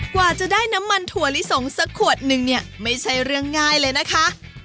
กว่าจะได้น้ำมันถั่วลิสงสักขวดนึงเนี่ยไม่ใช่เรื่องง่ายเลยนะคะ